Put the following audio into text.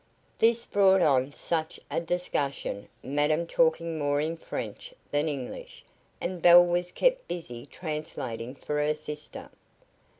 This brought on such a discussion, madam talking more in French than English, and Belle was kept busy translating for her sister.